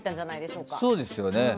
そうですよね。